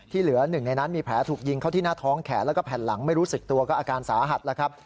เหลือหนึ่งในนั้นมีแผลถูกยิงเข้าที่หน้าท้องแขนแล้วก็แผ่นหลังไม่รู้สึกตัวก็อาการสาหัสแล้วครับ